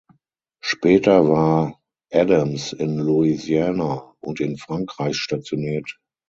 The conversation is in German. Später war Adams in Louisiana und in Frankreich stationiert.